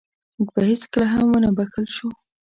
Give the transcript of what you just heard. موږ به هېڅکله هم ونه بښل شو.